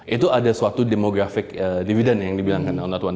itu ada suatu demographic dividend yang dibilangkan on that one